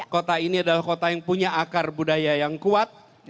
kota ini adalah kota yang punya akar budaya yang kuat